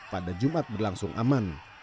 pada jumat berlangsung aman